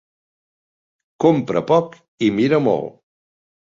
Compra poc i mira molt.